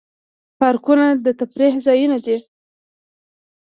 پارکونه د تفریح ځایونه دي